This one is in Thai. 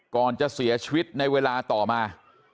ก่อนจะเสียชีวิตในเวลาต่อมา